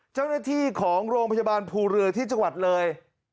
เจ้าหน้าที่ของโรงพยาบาลภูเรือที่จังหวัดเลย